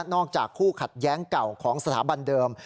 จากคู่ขัดแย้งเก่าของสถาบันเดิม